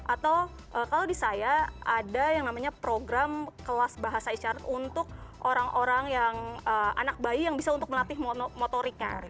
atau kalau di saya ada yang namanya program kelas bahasa isyarat untuk orang orang yang anak bayi yang bisa untuk melatih motoriknya